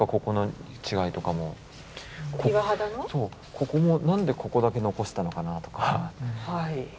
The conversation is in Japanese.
ここも何でここだけ残したのかなとか。